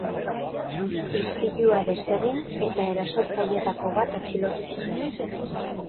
Istilua desegin eta erasotzaileetako bat atxilotu zuten.